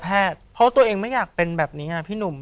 เพราะว่าตัวเองไม่อยากเป็นแบบนี้พี่หนุ่ม